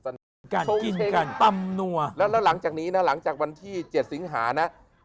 โชว์เช่งและหลังจากนี้นะหลังจากวันที่๗สิงหานะ